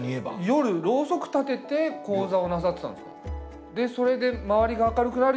夜ロウソク立てて高座をなさってたんですか？